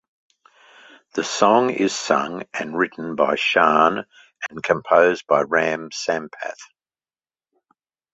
The song is sung and written by Shaan and composed by Ram Sampath.